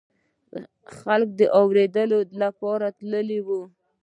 خلق د اورېدو دپاره راتللو